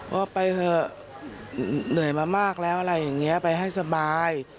ว่าไปเถอะเหนื่อยมามากแล้วอะไรอย่างนี้ไปให้สบาย